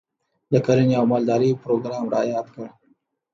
د کرنې او مالدارۍ پروګرام رایاد کړ.